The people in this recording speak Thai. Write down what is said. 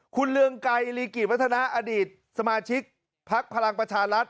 คุณเรืองไกรลีกิจวัฒนาอดีตสมาชิกพักพลังประชารัฐ